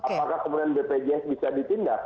apakah kemudian bpjs bisa ditindak